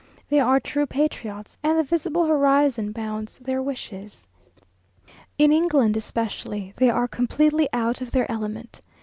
They are true patriots, and the visible horizon bounds their wishes. In England especially, they are completely out of their element.